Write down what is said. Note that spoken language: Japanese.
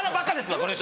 この人。